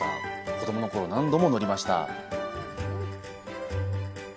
子どものころ、何度も乗りました。